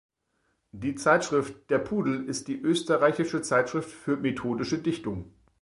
Die Zeitschrift "Der Pudel" ist die österreichische Zeitschrift für methodische Dichtung.